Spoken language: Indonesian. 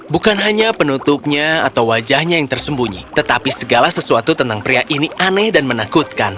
bukan hanya penutupnya atau wajahnya yang tersembunyi tetapi segala sesuatu tentang pria ini aneh dan menakutkan